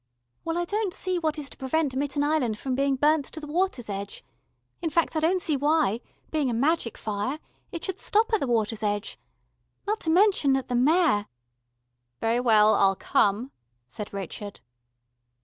"Well, I don't see what is to prevent Mitten Island from being burnt to the water's edge. In fact I don't see why, being a magic fire, it should stop at the water's edge. Not to mention that the Mayor " "Very well, I'll come," said Richard.